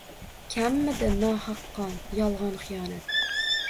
Kammidi nohaq qon, yolg‘on, xiyonat?